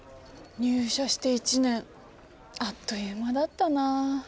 入社して１年あっという間だったな。